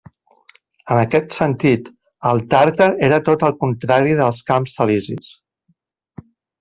En aquest sentit, el Tàrtar era tot el contrari dels Camps Elisis.